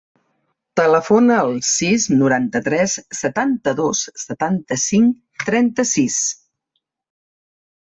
Telefona al sis, noranta-tres, setanta-dos, setanta-cinc, trenta-sis.